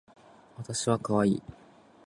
わたしはかわいい